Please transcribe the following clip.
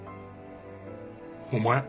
お前。